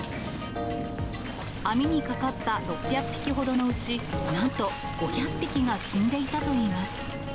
網にかかった６００匹ほどのうち、なんと５００匹が死んでいたといいます。